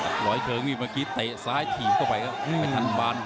ร้อยเชิงนี่เมื่อกี้เตะซ้ายถีบเข้าไปครับไม่ทันบาน